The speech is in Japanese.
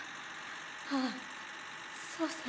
ああそうさ。